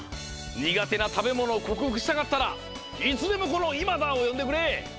苦手な食べものを克服したかったらいつでもこのイマダーをよんでくれ！